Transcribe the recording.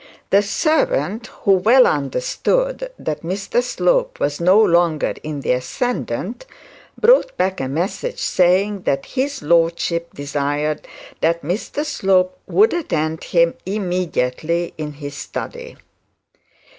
The servant, who well understood that Mr Slope was no longer in the ascendant, brought back a message, saying that, 'his lordship desired that Mr Slope would attend him immediately in his study.'